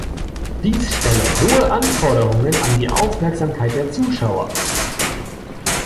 Dies stelle hohe Anforderungen an die Aufmerksamkeit der Zuschauer.